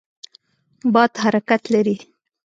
باد حرکت لري.